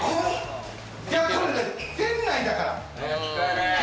店内だから。